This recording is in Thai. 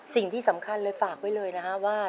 สิ่งที่สำคัญเลยฝากไว้เลยนะฮะว่า